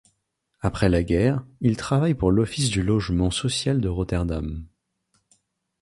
Après la guerre, il travaille pour l'office de logement social de Rotterdam.